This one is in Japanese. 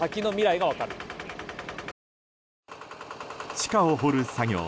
地下を掘る作業。